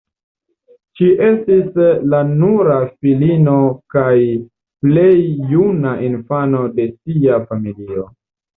Ŝi estis la nura filino kaj plej juna infano de sia familio.